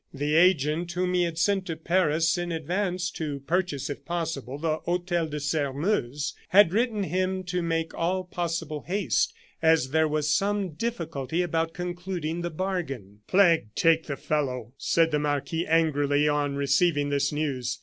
The agent, whom he had sent to Paris in advance, to purchase, if possible, the Hotel de Sairmeuse, had written him to make all possible haste, as there was some difficulty about concluding the bargain. "Plague take the fellow!" said the marquis, angrily, on receiving this news.